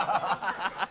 ハハハ